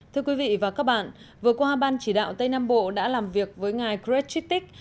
thưa quý vị và các bạn vừa qua ban chỉ đạo tây nam bộ đã làm việc với ngài greg tritic